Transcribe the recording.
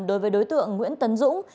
đối với đối tượng nguyễn tấn dũng